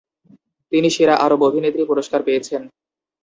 তিনি "সেরা আরব অভিনেত্রী" পুরস্কার পেয়েছেন।